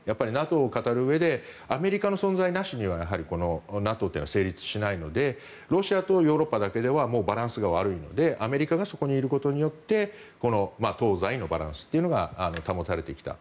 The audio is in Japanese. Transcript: ＮＡＴＯを語るうえでアメリカの存在なしにはこのＮＡＴＯというのは成立しないのでロシアとヨーロッパだけではバランスが悪いのでアメリカがそこにいることによって東西のバランスというのが保たれてきた。